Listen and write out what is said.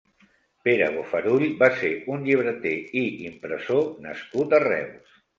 Pere Bofarull va ser un llibreter i impressor nascut a Reus.